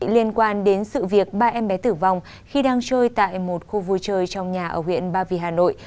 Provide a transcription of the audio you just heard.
liên quan đến sự việc ba em bé tử vong khi đang trôi tại một khu vui chơi trong nhà ở huyện ba vì hà nội